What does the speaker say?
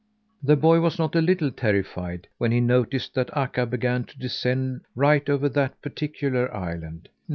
The boy was not a little terrified when he noticed that Akka began to descend right over that particular island!